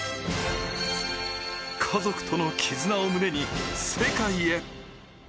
家族との絆を胸に世界へ。